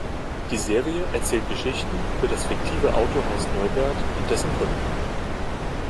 Die Serie erzählt Geschichten über das fiktive Autohaus Neubert und dessen Kunden.